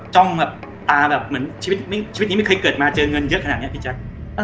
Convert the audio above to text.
แบบตาแบบเหมือนชีวิตนี้ไม่เคยเกิดมาเจอเงินเยอะขนาดนี้พี่แจ๊ค